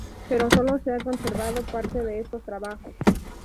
Pero solo se ha conservado parte de estos trabajos.